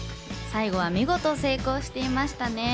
最後は見事、成功していましたね。